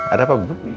ada apa bu